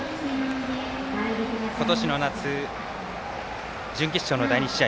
今年の夏、準決勝の第２試合